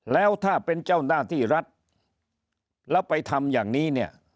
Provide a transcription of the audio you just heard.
แล้วถ้าเป็นเจ้าหน้าที่รัฐแล้วไปทำอย่างนี้เนี่ย